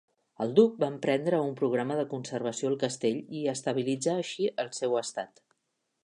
El duc va emprendre un programa de conservació al castell i estabilitzà així el seu estat.